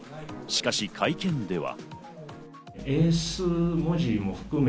しかし、会見では。